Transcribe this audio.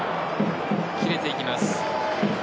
切れていきます。